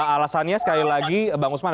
alasannya sekali lagi bang usman